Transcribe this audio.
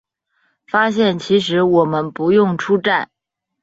发现其实我们不用出站